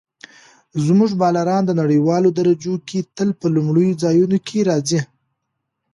زموږ بالران په نړیوالو درجو کې تل په لومړیو ځایونو کې راځي.